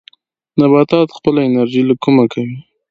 نباتات خپله انرژي له کومه کوي؟